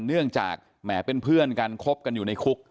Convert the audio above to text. เนื่องจากแหมเป็นเพื่อนกันคบกันอยู่ในคุก